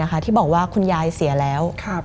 มันกลายเป็นรูปของคนที่กำลังขโมยคิ้วแล้วก็ร้องไห้อยู่